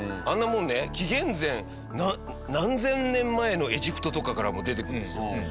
あんなもんね紀元前何千年前のエジプトとかからも出てくるんですよ。